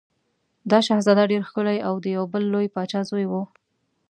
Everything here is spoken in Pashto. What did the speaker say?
دا شهزاده ډېر ښکلی او د یو بل لوی پاچا زوی و.